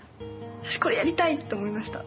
私、これやりたいって思いました。